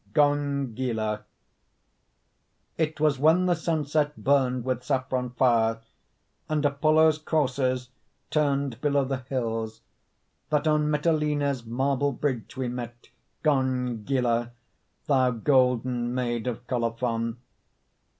GONGYLA It was when the sunset Burned with saffron fire, And Apollo's coursers Turned below the hills, That on Mitylene's Marble bridge we met, Gongyla, thou golden Maid of Colophon.